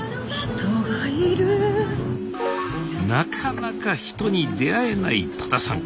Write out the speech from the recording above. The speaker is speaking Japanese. なかなか人に出会えない戸田さん。